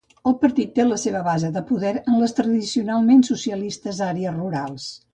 El partit té la seva base de poder en les tradicionalment socialistes àrees rurals.